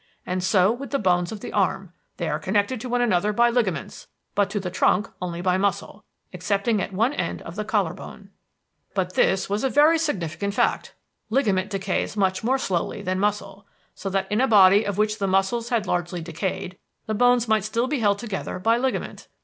And so with the bones of the arm; they are connected to one another by ligaments; but to the trunk only by muscle, excepting at one end of the collar bone. "But this was a very significant fact. Ligament decays much more slowly than muscle, so that in a body of which the muscles had largely decayed the bones might still be held together by ligament.